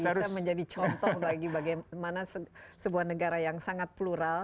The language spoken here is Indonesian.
bisa menjadi contoh bagi bagaimana sebuah negara yang sangat plural